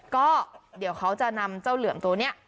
ก็เดี๋ยวเขาจะนำเจ้าเหลือมตัวนี้